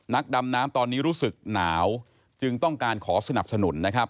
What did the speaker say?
นักดำน้ำตอนนี้รู้สึกหนาวจึงต้องการขอสนับสนุนนะครับ